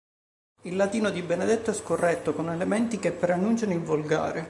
Il latino di Benedetto è scorretto con elementi che preannunciano il volgare.